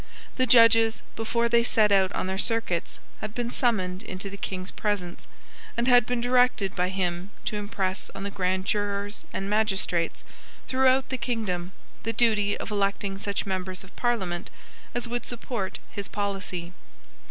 The Judges, before they set out on their circuits, had been summoned into the King's presence, and had been directed by him to impress on the grand jurors and magistrates, throughout the kingdom, the duty of electing such members of Parliament as would support his policy.